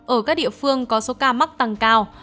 ở các địa phương có số ca mắc tăng cao